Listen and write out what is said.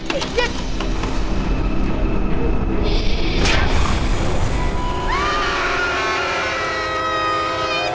aizara buka pintunya